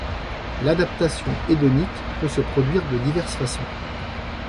L'adaptation hédonique peut se produire de diverses façons.